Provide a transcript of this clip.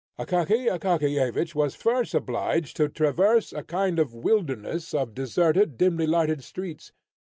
Akaky Akakiyevich was first obliged to traverse a kind of wilderness of deserted, dimly lighted streets.